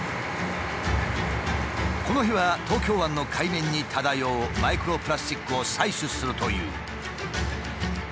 この日は東京湾の海面に漂うマイクロプラスチックを採取するという。